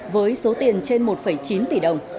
với số tiền trên một chín tỷ đồng